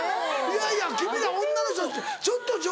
いやいや君ら女の人って「ちょっとちょうだい」。